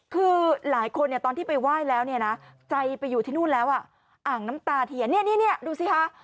คือหลายคนเนี่ยตอนที่ไปไหว้แล้วเนี่ยนะใจไปอยู่ที่นู่นแล้วอ่ะอ่างน้ำตาเทียนเนี่ยนี่ดูสิคะ